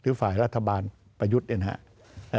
คือฝ่ายรัฐบาลประยุทธ์เนี่ยนะครับ